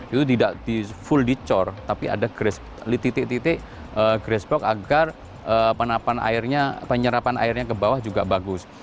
itu tidak full dicor tapi ada titik titik grass box agar penyerapan airnya ke bawah juga bagus